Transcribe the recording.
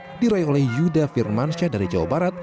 medali emas diraih oleh yuda firmansyah dari jawa barat